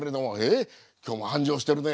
えっ今日も繁盛してるね。